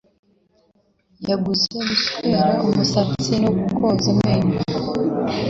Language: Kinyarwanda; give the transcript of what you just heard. Yaguze guswera umusatsi no koza amenyo.